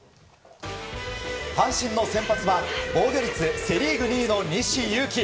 阪神の先発は防御率セ・リーグ２位の西勇輝。